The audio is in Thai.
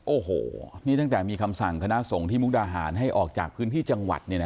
โอ้โหนี่ตั้งแต่มีคำสั่งคณะสงฆ์ที่มุกดาหารให้ออกจากพื้นที่จังหวัด